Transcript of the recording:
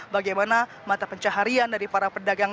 bagaimana mata pencaharian dari para pedagang